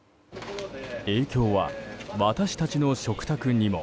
影響は、私たちの食卓にも。